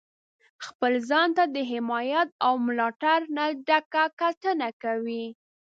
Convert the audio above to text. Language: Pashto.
خپل ځان ته د حمایت او ملاتړ نه ډکه کتنه کوئ.